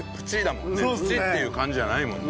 プチッていう感じじゃないもんね。